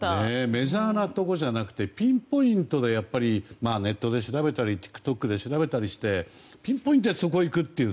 メジャーなところじゃなくピンポイントでネットで調べたりＴｉｋＴｏｋで調べてピンポイントで行くという。